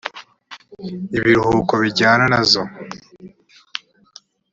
ibiruhuko bijyana nazo